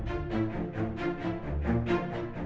kalau nanti aku pergi jalan